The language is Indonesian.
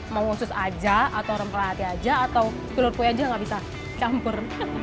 mau sus aja atau rempah hati aja atau telur kue aja gak bisa campur